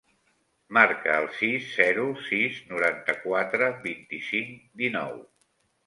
Marca el sis, zero, sis, noranta-quatre, vint-i-cinc, dinou.